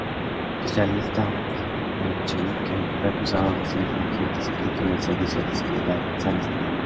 Socialista menchevique, fue acusado de ser un agente secreto del servicio de seguridad zarista.